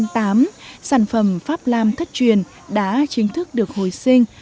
năm hai nghìn tám sản phẩm pháp nam thất truyền đã chính thức được hồi sinh